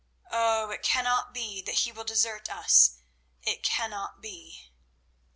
Oh! it cannot be that He will desert us—it cannot be."